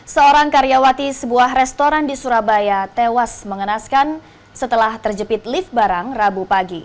seorang karyawati sebuah restoran di surabaya tewas mengenaskan setelah terjepit lift barang rabu pagi